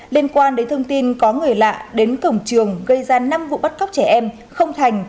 liên quan đến thông tin có người lạ đến cổng trường gây ra năm vụ bắt cóc trẻ em không thành